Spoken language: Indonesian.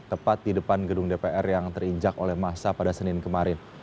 tepat di depan gedung dpr yang terinjak oleh massa pada senin kemarin